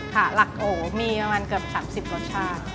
ค่ะหลักโถมีประมาณเกือบ๓๐รสชาติ